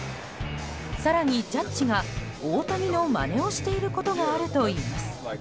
更にジャッジが大谷のまねをしていることがあるといいます。